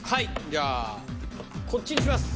じゃあこっちにします。